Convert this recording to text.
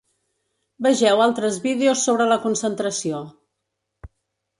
Vegeu altres vídeos sobre la concentració.